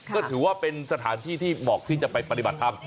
ก็ถือว่าเป็นสถานที่ที่เหมาะที่จะไปปฏิบัติธรรม